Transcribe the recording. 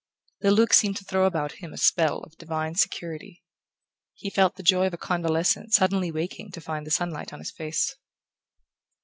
The look seemed to throw about him the spell of a divine security: he felt the joy of a convalescent suddenly waking to find the sunlight on his face.